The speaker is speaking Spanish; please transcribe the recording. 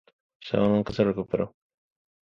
Zhao nunca se recuperó.